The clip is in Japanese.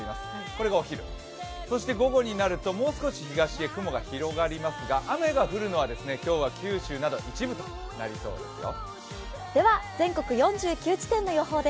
これがお昼、そして午後になるともう少し東へ雲が広がりますが、雨が降るのは今日は九州など一部となりそうですよ。